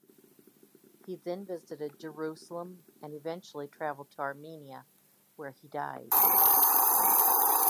He then visited Jerusalem and eventually travelled to Armenia, where he died.